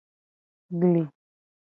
Gli.